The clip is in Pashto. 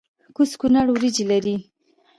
کوز کونړ وریجې لري؟